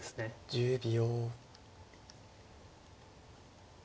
１０秒。